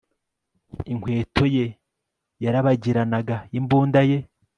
inkweto ye yarabagiranaga, imbunda ye